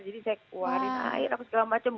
jadi saya keluarin air apa segala macem